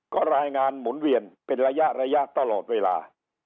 ก็รายงานหมุนเวียนเป็นระยะระยะตลอดเวลา